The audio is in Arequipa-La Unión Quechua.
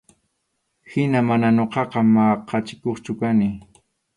Hina mana ñuqaqa maqachikuqchu kani.